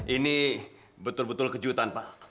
ini betul betul kejutan pak